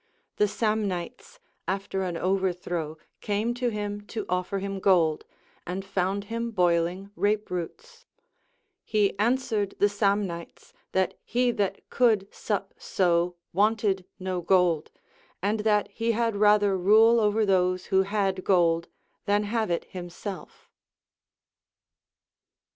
The Samnites after an overthrow came to him to offer him gold, and found him boiling rape roots. He answered the Samnites that he that could sup so wanted no gold, and that he had rather rule over those who had gold than have it himself.